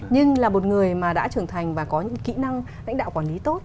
nhưng là một người mà đã trưởng thành và có những kỹ năng lãnh đạo quản lý tốt